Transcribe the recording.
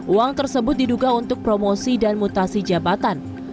uang tersebut diduga untuk promosi dan mutasi jabatan